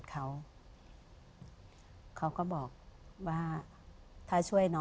น้าน้าไปอยู่ที่ไหน